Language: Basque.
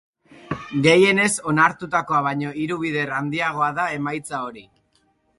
Gehienez onartutakoa baino hiru bider handiagoa da emaitza hori.